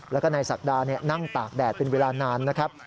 แล้วก็นายศักดานั่งตากแดดเป็นเวลานานนะครับ